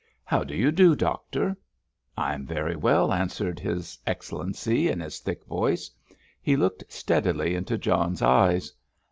"How do you do, doctor?" "I am very well," answered his Excellency in his thick voice. He looked steadily into John's eyes.